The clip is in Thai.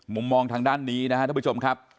มุมมองทางด้านนี้นะครับท่านผู้ชมครับ